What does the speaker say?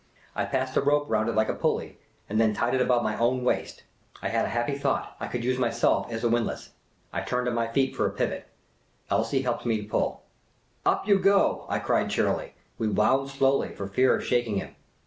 I passed the rope round it like a pulley, and then tied it about my own waist. I had a happy thought : I could use myself as a windlass. I turned on my feet for a pivot. Elsie helped me to pull. " Up you go !" I cried, cheerily. We wound slowly, for fear of shak ing him.